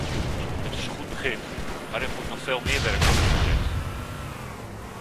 Het is een goed begin, maar er moet nog veel meer werk worden verzet.